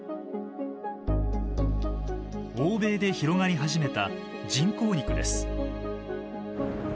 欧米で広がり始めた「人工肉」です。